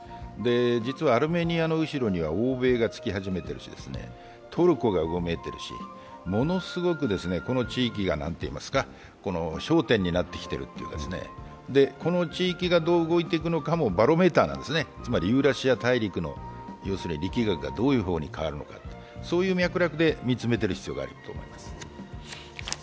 実は、アルメニアの後ろには欧米がつき始めているし、トルコがうごめいているし、ものすごくこの地域が焦点になってきてると言いますかこの地域がどう動いていくかもバロメーターなんですよね、つまりユーラシア大陸の力学がどう変わるか、そういう脈絡で見つめていく必要があると思います。